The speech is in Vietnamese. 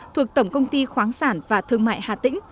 thuộc tổng công ty khoáng sản và thương mại hà tĩnh